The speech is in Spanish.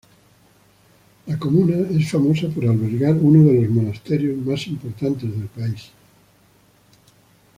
La comuna es famosa por albergar uno de los monasterios más importantes del país.